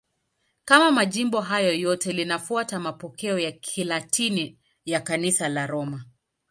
Kama majimbo hayo yote, linafuata mapokeo ya Kilatini ya Kanisa la Roma.